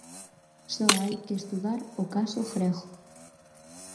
Só hai que estudar o caso grego.